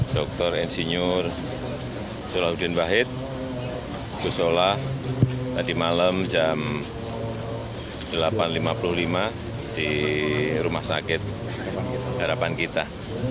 dr insinyur solahuddin wahid gusola tadi malam jam delapan lima puluh lima di rumah sakit harapan kita